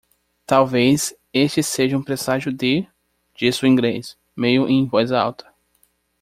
"Talvez este seja um presságio de?" disse o inglês? meio em voz alta.